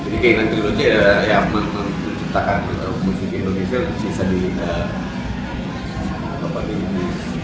jadi kainan stereology adalah yang menciptakan musik indonesia